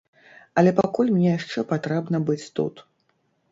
Але пакуль мне яшчэ патрэбна быць тут.